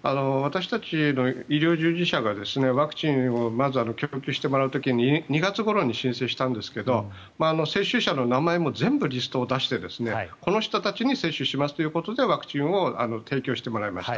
私たち、医療従事者がワクチンをまず供給してもらう時に２月ごろに申請したんですが接種者の名前も全部リストを出してこの人たちに接種しますということでワクチンを提供してもらいました。